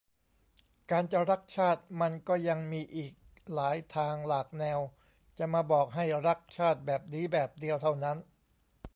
การจะรักชาติมันก็ยังมีอีกหลายทางหลากแนว จะมาบอกให้ 'รักชาติ' แบบนี้แบบเดียวเท่านั้น